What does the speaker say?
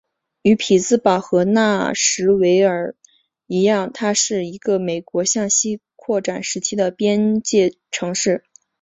与匹兹堡和纳什维尔一样它是一个美国向西扩展时期的边界城市。